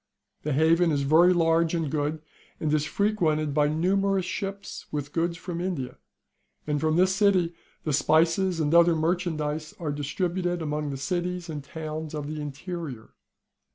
The haven is very large and good, and is frequented by numerous ships with goods from India, and from this city the spices and other merchandize are distributed among the cities and towns of the interior.